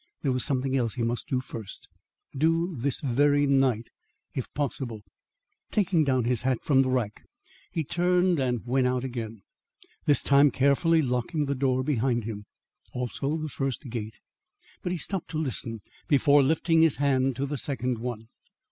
There was something else he must do first, do this very night, if possible. Taking down his hat from the rack he turned and went out again, this time carefully locking the door behind him, also the first gate. But he stopped to listen before lifting his hand to the second one.